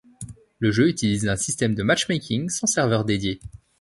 Le jeu utilise un système de matchmaking sans serveur dédié.